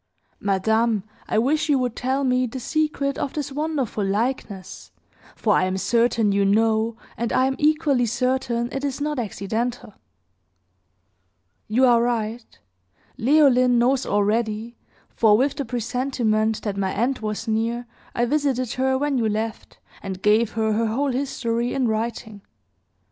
Madame, I wish you would tell me the secret of this wonderful likeness; for I am certain you know, and I am equally certain it is not accidental." "You are right. Leoline knows already; for, with the presentiment that my end was near, I visited her when you left, and gave her her whole history, in writing.